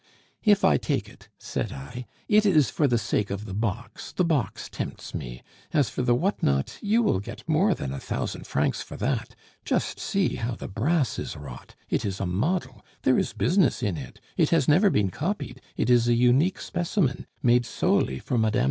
'If I take it,' said I, 'it is for the sake of the box; the box tempts me. As for the what not, you will get more than a thousand francs for that. Just see how the brass is wrought; it is a model. There is business in it.... It has never been copied; it is a unique specimen, made solely for Mme.